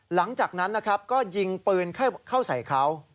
หลังจากนั้นนะครับก็ยิงปืนเข้าใส่เขา